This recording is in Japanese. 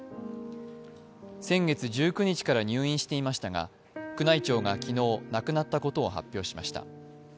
先月１９日から入院していましたが宮内庁が昨日、亡くなったことを発表しました。